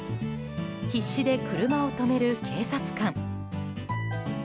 必死で車を止める警察官。